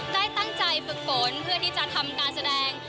ได้ตั้งใจฝึกฝนเพื่อที่จะทำการแสดง